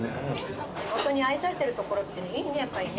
地元に愛されてる所っていいねやっぱりね。